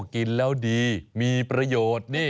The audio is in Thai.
กินแล้วดีมีประโยชน์นี่